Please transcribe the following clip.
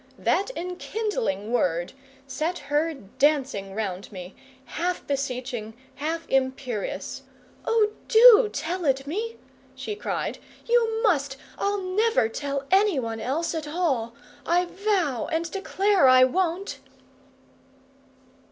That enkindling word set her dancing round me, half beseeching, half imperious. "Oh, do tell it me!" she cried. "You must! I'll never tell anyone else at all, I vow and declare I won't!"